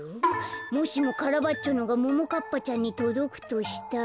もしもカラバッチョのがももかっぱちゃんにとどくとしたら。